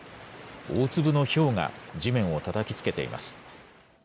大粒のひょうが地面をたたきつけています。